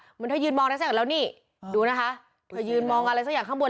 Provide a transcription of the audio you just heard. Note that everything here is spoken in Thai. เหมือนเธอยืนมองอะไรเสร็จแล้วนี่ดูนะคะเธอยืนมองอะไรสักอย่างข้างบน